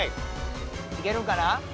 いけるんかな？